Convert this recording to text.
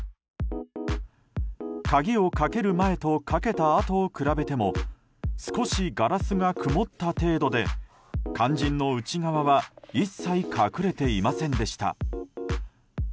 鍵をかける前とかけたあとを比べても少しガラスが曇った程度で肝心の内側は一切隠れていませんでした。